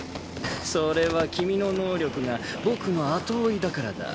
それは君の能力が僕の後追いだからだ。